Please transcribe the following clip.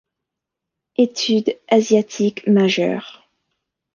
Études asiatiques majeure.